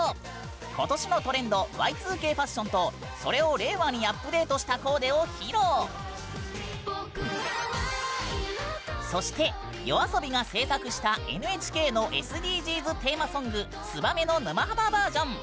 今年のトレンドＹ２Ｋファションとそれを令和にアップデートしたコーデを披露．そしてＹＯＡＳＯＢＩが制作したＮＨＫのＳＤＧｓテーマソング「ツバメ」の沼ハマバージョン。